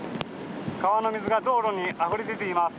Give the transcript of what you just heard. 川の水が道路にあふれ出ています。